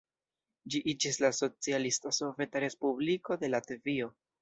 Ĝi iĝis la Socialista Soveta Respubliko de Latvio.